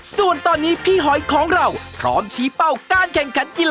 ส่วนตอนนี้พี่หอยของเราพร้อมพบกันกันกัน